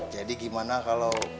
jadi gimana kalau